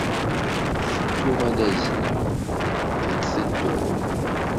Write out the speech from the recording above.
Tedduɣ ad azzleɣ. A d tedduḍ?